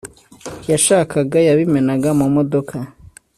yashakaga yabimenaga mu modoka